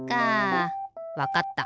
わかった。